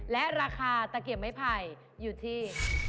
และราคาตะเกียบไม้ไผ่อยู่ที่